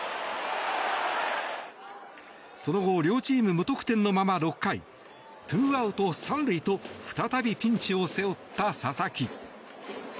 その後両チーム無得点のまま６回ツーアウト３塁と再びピンチを背負った佐々木。